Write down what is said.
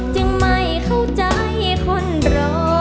จึงไม่เข้าใจคนรอ